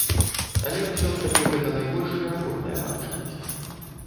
Але ўсё ж такі гэта найбольш верагодная магчымасць.